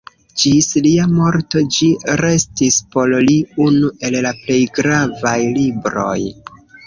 Ĝis lia morto ĝi restis por li unu el la plej gravaj libroj.